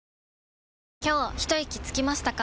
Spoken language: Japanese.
今日ひといきつきましたか？